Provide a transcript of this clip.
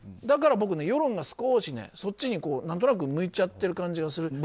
だから僕世論が少しそっちに何となく向いちゃってる感じがする。